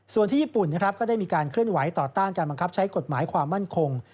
ส่วนที่ญี่ปุ่นนะครับก็ได้มีการเคลื่อนไหวต่อต้านการบังคับใช้กฎหมายความมั่นคง